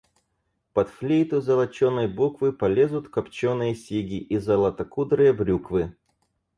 Под флейту золоченой буквы полезут копченые сиги и золотокудрые брюквы.